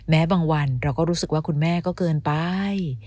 บางวันเราก็รู้สึกว่าคุณแม่ก็เกินไป